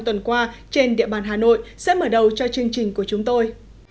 tuần qua trên địa bàn hà nội sẽ mở đầu cho chương trình của chúng tôi